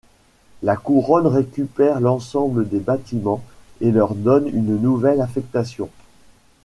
La Couronne récupère l'ensemble des bâtiments et leur donne une nouvelle affectation.